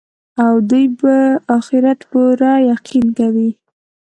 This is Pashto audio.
او دوى په آخرت پوره يقين كوي